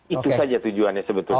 itu saja tujuannya sebetulnya